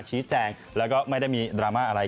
ชี้แจงแล้วก็ไม่ได้มีดราม่าอะไร